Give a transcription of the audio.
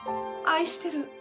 愛してる。